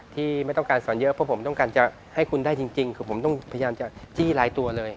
ไม่ต้องการสอนเยอะเพราะผมต้องการจะให้คุณได้จริงคือผมต้องพยายามจะจี้ลายตัวเลย